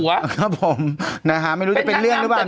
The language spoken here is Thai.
ครับผมนะฮะไม่รู้จะเป็นเรื่องหรือเปล่า